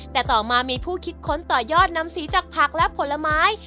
แต่ต่อมามีผู้คิดค้นต่อยอดนำสีจากผักและผลไม้